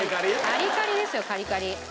カリカリですよカリカリ。